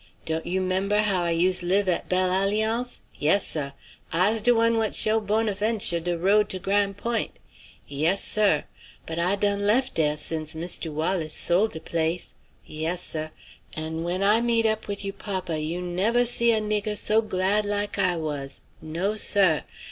"Don't you 'member how I use' live at Belle Alliance? Yes, seh. I's de one what show Bonaventure de road to Gran' Point'. Yes, seh. But I done lef' dah since Mistoo Wallis sole de place. Yes, seh. An' when I meet up wid you papa you nevva see a nigger so glad like I was. No, seh.